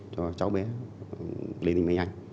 cho cháu bé lê đình mây anh